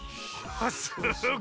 すごいね。